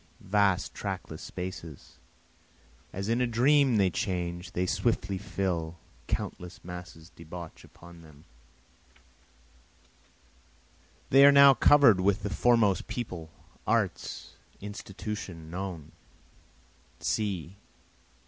See, vast trackless spaces, As in a dream they change, they swiftly fill, Countless masses debouch upon them, They are now cover'd with the foremost people, arts, institutions, known.